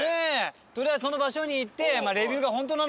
とりあえずその場所に行って。